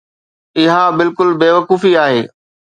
اها بلڪل بيوقوفي آهي.